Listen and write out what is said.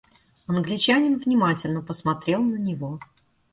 Англичанин внимательно посмотрел на него.